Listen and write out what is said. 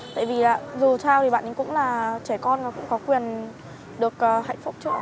tại vì dù trao thì bạn ấy cũng là trẻ con và cũng có quyền được hạnh phúc của cô bạn này